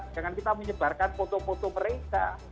dengan kita menyebarkan foto foto mereka